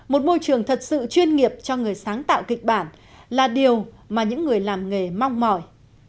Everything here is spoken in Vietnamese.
một môi trường thật sự chuyên nghiệp cho người sáng tạo kịch bản là điều mà những người làm nghề mong mỏi